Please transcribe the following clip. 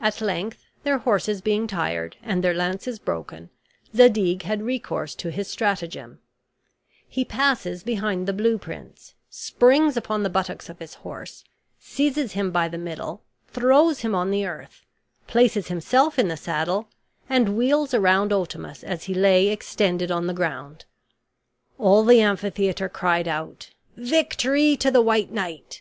At length, their horses being tired and their lances broken, Zadig had recourse to this stratagem: He passes behind the blue prince; springs upon the buttocks of his horse; seizes him by the middle; throws him on the earth; places himself in the saddle; and wheels around Otamus as he lay extended on the ground. All the amphitheater cried out, "Victory to the white knight!"